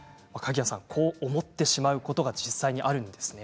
こう思ってしまうことが実際にあるんですね。